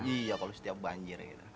iya kalau setiap banjir gitu